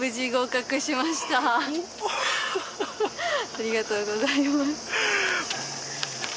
ありがとうございます。